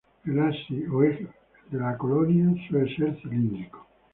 El axis, o eje, de la colonia suele ser cilíndrico.